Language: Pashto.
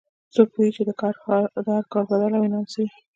څوک پوهیږي چې د هر کار بدل او انعام څه وي